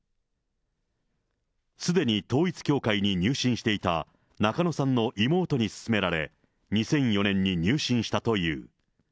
すでに統一教会に入信していた中野さんの妹に勧められ、２００４年に入信したという。